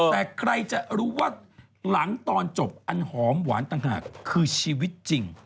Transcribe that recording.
แต่ใครจะรู้ว่าหลังตอนจบอันหอมหวานต่างหากคือชีวิตจริง